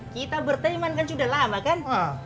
kita berteriman kan sudah lama kan